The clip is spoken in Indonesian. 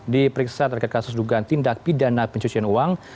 diperiksa terkait kasus dugaan tindak pidana pencucian uang